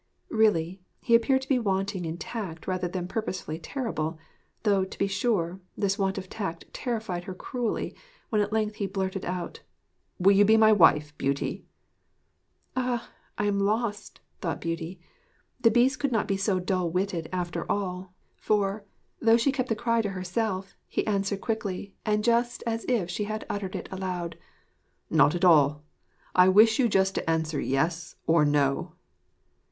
Really, he appeared to be wanting in tact rather than purposely terrible; though, to be sure, this want of tact terrified her cruelly, when at length he blurted out: 'Will you be my wife, Beauty?' 'Ah! I am lost!' thought Beauty. The Beast could not be so dull witted after all, for, though she kept the cry to herself, he answered quickly, and just as if she had uttered it aloud: 'Not at all. I wish you to answer just "yes" or "no."'